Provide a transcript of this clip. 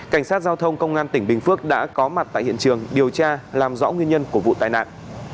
cảnh sát giao thông công an tỉnh bình phước đã có mặt tại hiện trường điều tra làm rõ nguyên nhân của vụ tai nạn